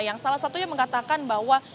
yang salah satunya mengatakan bahwa